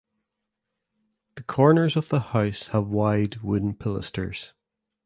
The corners of the house have wide wooden pilasters.